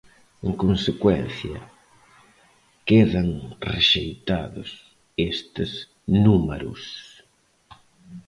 En consecuencia, queda rexeitados estes números.